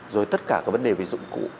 rồi tất cả các vấn đề về dụng cụ